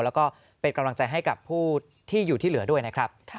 แล้วก็เป็นกำลังใจให้กับผู้ที่อยู่ที่เหลือด้วยนะครับ